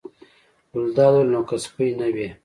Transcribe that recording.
ګلداد وویل: نو که سپی نه وي.